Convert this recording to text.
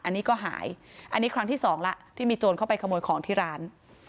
อันนี้ก็หายอันนี้ครั้งที่สองแล้วที่มีโจรเข้าไปขโมยของที่ร้าน